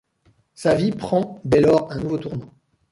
Sa vie prend dès lors un nouveau tournant.